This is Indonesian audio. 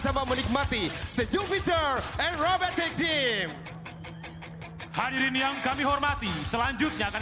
dan kemampuan terbuka